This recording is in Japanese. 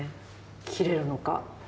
斬れるのか。